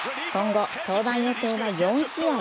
今後、登板予定は４試合。